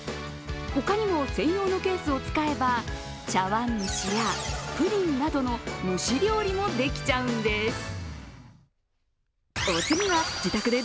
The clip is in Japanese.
他にも専用のケースを使えば茶わん蒸しやプリンなどの蒸し料理もできちゃうんです。